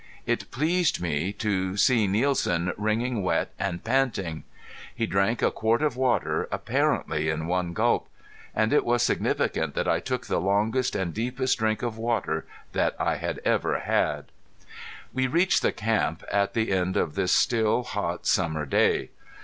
It pleased me to see Nielsen wringing wet and panting. He drank a quart of water apparently in one gulp. And it was significant that I took the longest and deepest drink of water that I had ever had. We reached camp at the end of this still hot summer day.